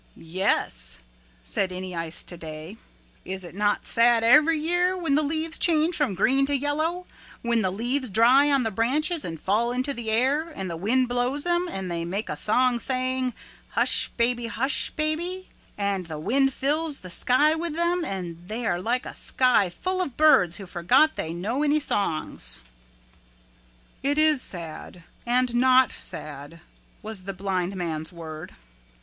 "Yes," said Any Ice Today, "is it not sad every year when the leaves change from green to yellow, when the leaves dry on the branches and fall into the air, and the wind blows them and they make a song saying, 'Hush baby, hush baby,' and the wind fills the sky with them and they are like a sky full of birds who forget they know any songs." "It is sad and not sad," was the blind man's word.